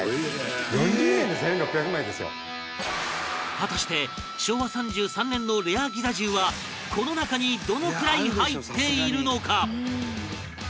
果たして昭和３３年のレアギザ１０はこの中にどのくらい入っているのか？